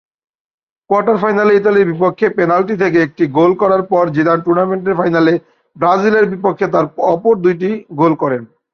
Quarter ফাইনালে ইতালির বিপক্ষে পেনাল্টি থেকে একটি গোল করার পর জিদান টুর্নামেন্ট ফাইনালে ব্রাজিলের বিপক্ষে তার অপর দুইটি গোল করেন।